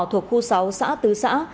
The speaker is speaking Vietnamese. thuộc khu sáu xã tứ xã